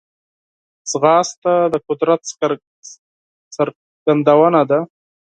ځغاسته د قدرت څرګندونه ده